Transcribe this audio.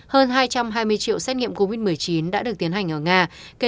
hơn hai trăm hai mươi triệu xét nghiệm covid một mươi chín đã được tiến hành ở nga